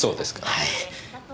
はい。